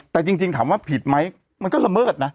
แต่จริงถามว่าผิดไหมมันก็ละเมิดนะ